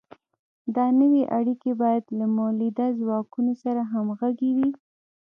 دا نوې اړیکې باید له مؤلده ځواکونو سره همغږې وي.